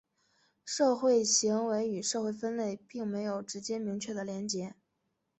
社会行为与社会分类并没有直接明确的连结。